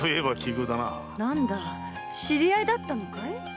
なんだ知り合いだったのかい？